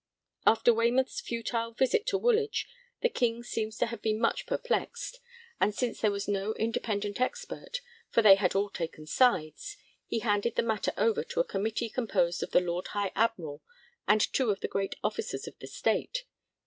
] After Waymouth's futile visit to Woolwich, the King seems to have been much perplexed, and since there was no independent expert, for they had all taken sides, he handed the matter over to a committee composed of the Lord High Admiral and two of the great officers of State.